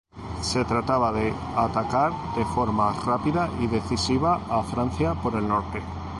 Se trataba de atacar de forma rápida y decisiva a Francia por el norte.